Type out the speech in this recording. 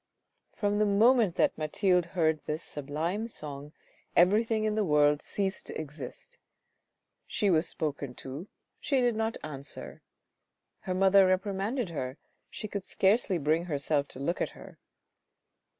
From the moment that Mathilde heard this sublime song everything in the world ceased to exist. She was spoken to, she did not answer ; her mother reprimanded her, she could scarcely bring herself to look at her.